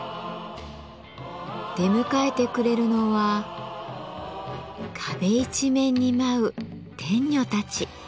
出迎えてくれるのは壁一面に舞う天女たち。